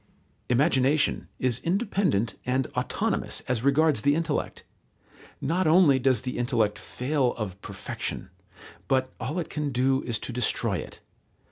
Imagination is independent and autonomous as regards the intellect. Not only does the intellect fail of perfection, but all it can do is to destroy it.